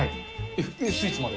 スイーツまで。